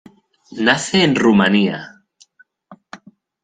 Nace en Rumanía.